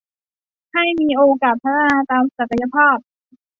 ให้มีโอกาสพัฒนาตามศักยภาพ